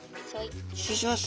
失礼します。